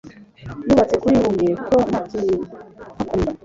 yubatse kuri huye kuko ntakihakunda